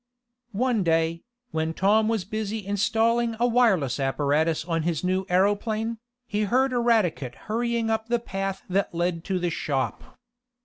One day, when Tom was busy installing a wireless apparatus on his new aeroplane, he heard Eradicate hurrying up the path that led to the shop.